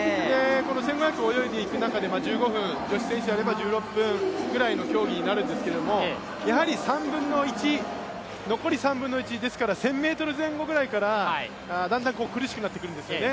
１５００を泳いでいく中で、女子選手であれば１６分ぐらいの競技になるんですけど残り３分の１、ですから１０００ｍ前後からだんだん苦しくなっていくんですよね。